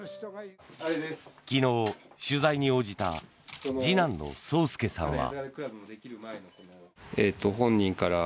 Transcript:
昨日、取材に応じた次男の宗助さんは。